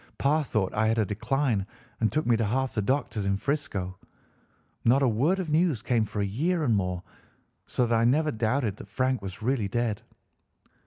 Pa thought I had a decline and took me to half the doctors in 'Frisco. Not a word of news came for a year and more, so that I never doubted that Frank was really dead.